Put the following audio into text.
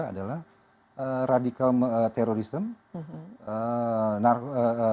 adalah radikal terorisme